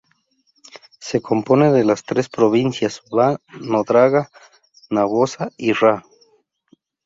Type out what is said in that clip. Se compone de las tres provincias Ba, Nadroga-Navosa y Ra.